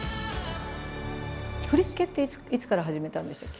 振り付けっていつから始めたんでしたっけ？